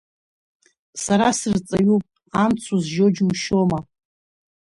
Сара сырҵаҩуп, амц узжьо џьушьома…